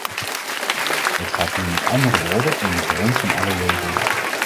Het gaat hier met andere woorden om de bron van alle leven.